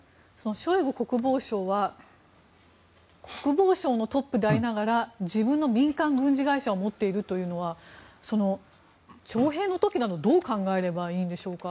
ショイグ国防相は国防省のトップでありながら自分の民間軍事会社を持っているというのは徴兵の時などはどう考えればいいんでしょうか。